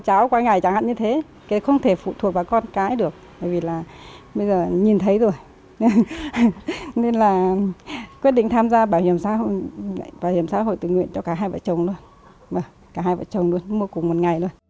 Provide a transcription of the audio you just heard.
vâng cả hai vợ chồng luôn mỗi cùng một ngày luôn